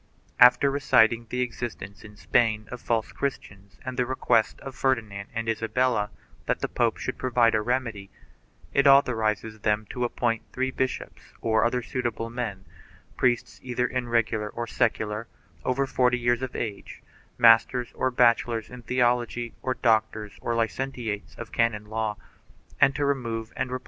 After reciting the existence in Spain of false Chris tians and the request of Ferdinand and Isabella that the pope should provide a remedy, it authorizes them to appoint three • bishops or other suitable men, priests either regular or secular, over forty years of age, masters or bachelors in theology or doctors or licentiates of canon law, and to remove and replace 1 Fortalicium Fidei, Lib.